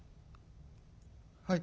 「はい」。